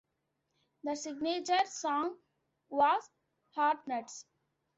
Their signature song was "Hot Nuts".